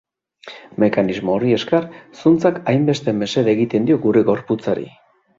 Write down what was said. Mekanismo horri esker, zuntzak hainbat mesede egiten dio gure gorputzari.